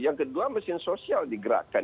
yang kedua mesin sosial digerakkan